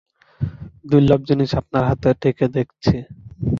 দুর্লভ জিনিস আপনার হাতে ঠেকে দেখছি!